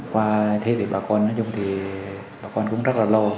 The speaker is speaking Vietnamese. qua thế thì bà con cũng rất là lo